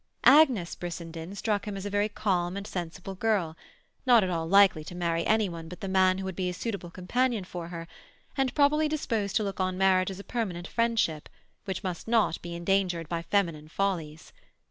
Agnes Brissenden struck him as a very calm and sensible girl; not at all likely to marry any one but the man who would be a suitable companion for her, and probably disposed to look on marriage as a permanent friendship, which must not be endangered by feminine follies.